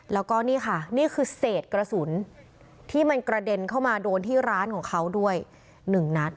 แล้วก็นี่ค่ะนี่คือเศษกระสุนที่มันกระเด็นเข้ามาโดนที่ร้านของเขาด้วย๑นัด